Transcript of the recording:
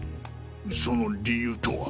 その理由とは？